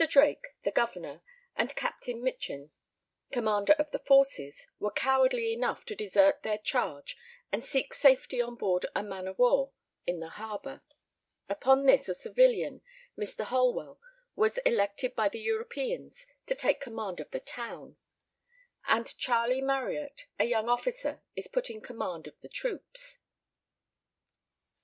Drake, the governor, and Captain Michin, commander of the forces, were cowardly enough to desert their charge and seek safety on board a man of war in the harbour. Upon this a civilian, Mr. Holwell, was elected by the Europeans to take command of the town, and Charlie Marryat, a young officer, is put in command of the troops.